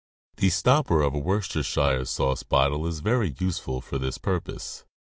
The stopper of a Worcestershire sauce bottle is very useful for the purpose.